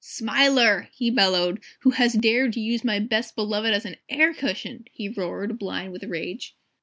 "SMILER!" he bellowed, "who has dared to use my Best Beloved as an air cushion!" he roared, blind with rage.